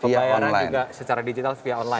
pembayaran juga secara digital via online